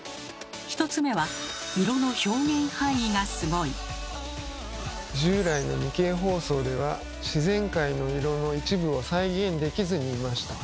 １つ目は従来の２Ｋ放送では自然界の色の一部を再現できずにいました。